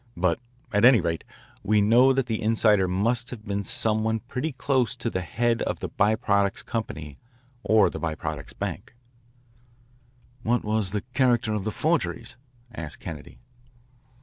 But, at any rate, we know that the insider must have been some one pretty close to the head of the By Products Company or the By Products Bank." "What was the character of the forgeries?" asked Kennedy.